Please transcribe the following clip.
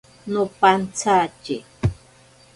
Nopantsatye.